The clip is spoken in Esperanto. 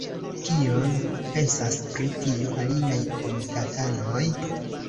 Kion pensas pri tio aliaj komitatanoj?